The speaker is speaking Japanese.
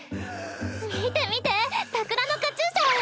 見て見て桜のカチューシャ。